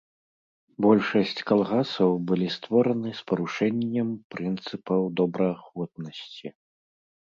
Большасць калгасаў былі створаны з парушэннем прынцыпаў добраахвотнасці.